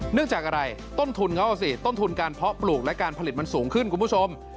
จากอะไรต้นทุนเขาสิต้นทุนการเพาะปลูกและการผลิตมันสูงขึ้นคุณผู้ชม